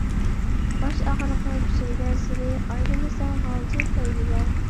باش ئاغرىقىڭ كۈچەيگەنسېرى، ئايلىنىسەن غالجىر تەلۋىگە.